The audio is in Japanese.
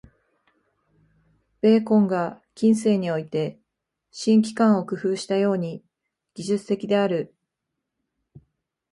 ベーコンが近世において「新機関」を工夫したように、技術的である。